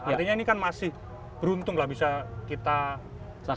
artinya ini kan masih beruntung bisa kita tahu